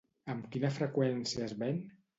Amb quina freqüència es ven?